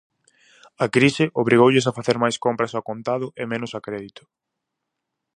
A crise obrigoulles a facer máis compras ao contado e menos a crédito.